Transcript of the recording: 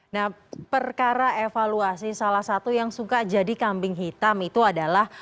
nah perkara evaluasi salah satu yang suka jadi kambing hitam itu adalah